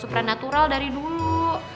gak pernah natural dari dulu